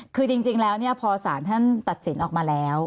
คือจริงแล้วพอสารท่านตัดสินออกมาแล้ว